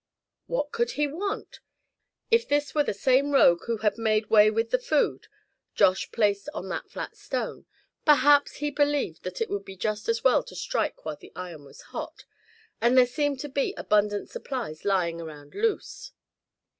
What could he want? If this were the same rogue who had made way with the food Josh placed on that flat stone, perhaps he believed that it would be just as well to strike while the iron was hot, and there seemed to be abundant supplies lying around loose.